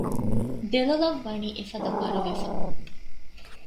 ދެލޮލަށް ވަނީ އެފަދަ ބަރުވެފަ